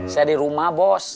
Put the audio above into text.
saya di rumah bos